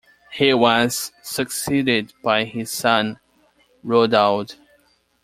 He was succeeded by his son Rodoald.